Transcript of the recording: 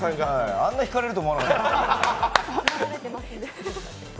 あんな引かれるとは思わなかった。